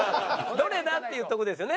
「どれだ？」っていうとこですよね。